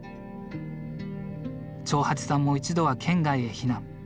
長八さんも一度は県外へ避難。